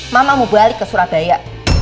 mama mau balik ke surabaya